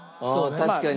確かに。